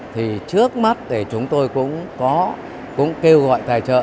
thì trước mắt thì chúng tôi cũng kêu gọi tài trợ